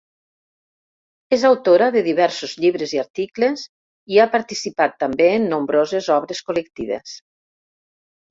És autora de diversos llibres i articles, i ha participat també en nombroses obres col·lectives.